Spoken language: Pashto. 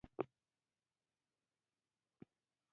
د تاریخ پاڼو زلمي راپورته سوي